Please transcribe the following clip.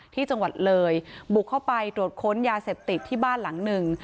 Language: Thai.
ที่จังหวัดเลยบุกเข้าไปตรวจค้นยาเสพติดที่บ้านหลังหนึ่ง